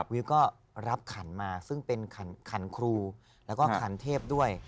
วิวก็รับขันทร์กรดิ์มาซึ่งเป็นขันทร์ครูแล๋กก็ขันทร์เทพด้วย